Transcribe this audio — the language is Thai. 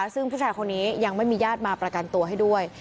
ซึ่งผู้ชายคนนี้ยังไม่มีญาติมาประกันตัวให้ด้วย